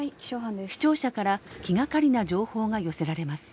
視聴者から気がかりな情報が寄せられます。